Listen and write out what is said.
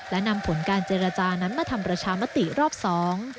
และนำผลการเจรจานั้นมาทำประชามติรอบสอง